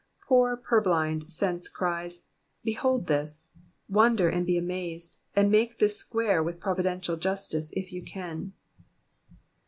Poor purblind sense cries. Behold this ! Wonder, and be amazed, and make this square with providential justice, if you can.